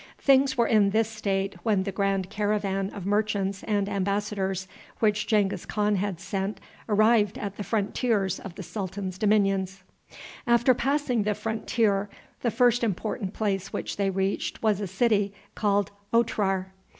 Things were in this state when the grand caravan of merchants and embassadors which Genghis Khan had sent arrived at the frontiers of the sultan's dominions. After passing the frontier, the first important place which they reached was a city called Otrar.